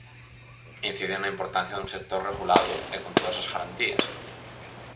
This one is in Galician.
Inciden na importancia dun sector regulado e con todas as garantías.